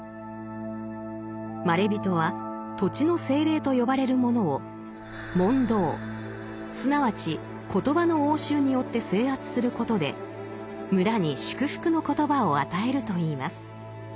まれびとは土地の精霊と呼ばれる者を「問答」すなわち言葉の応酬によって制圧することで村に祝福の言葉を与えるといいます。